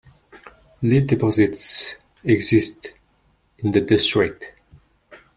Lead deposits exist in the district.